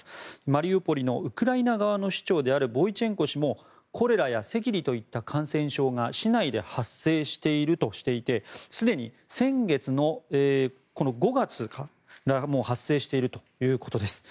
マリウポリのウクライナ側の市長であるボイチェンコ氏もコレラや赤痢といった感染症が市内で発生しているとしていてすでに先月の５月から発生しているということです。